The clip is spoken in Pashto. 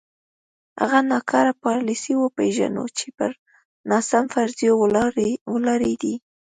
هغه ناکاره پالیسۍ وپېژنو چې پر ناسم فرضیو ولاړې دي.